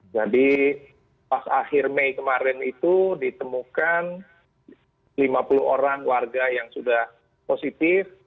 jadi pas akhir mei kemarin itu ditemukan lima puluh orang warga yang sudah positif